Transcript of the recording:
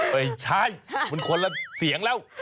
ไม่ใช่มันคนละเสียงแล้ว